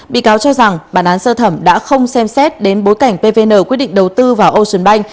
bị cáo cho rằng bản án sơ thẩm đã không xem xét đến bối cảnh pvn quyết định đầu tư vào ocean bank